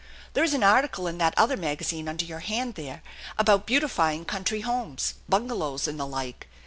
There is an article in that other magazine under your hand there about beautifying country homes, bungalows, and the like.